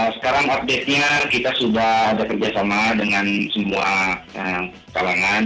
sekarang update nya kita sudah bekerjasama dengan semua kalangan